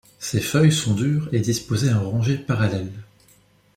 Ses feuilles sont dures et disposées en rangées parallèles.